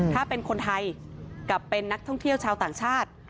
ถ้าเป็นคนไทยกับเป็นนักท่องเที่ยวชาวต่างชาติ